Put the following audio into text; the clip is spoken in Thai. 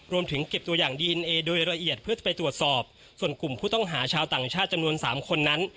เก็บตัวอย่างดีเอ็นเอโดยละเอียดเพื่อจะไปตรวจสอบส่วนกลุ่มผู้ต้องหาชาวต่างชาติจำนวนสามคนนั้น